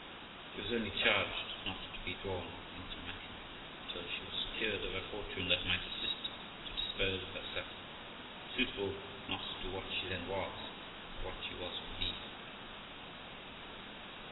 She was only charged not to be drawn into matrimony till she was secured of a fortune that might assist to dispose of herself, suitable not to what she then was, but what she was to be.